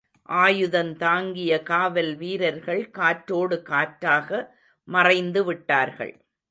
ஆயுதந்தாங்கிய காவல் வீரர்கள் காற்றோடு காற்றாக மறைந்துவிட்டார்கள்.